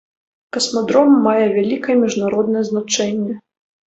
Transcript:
Касмадром мае вялікае міжнароднае значэнне.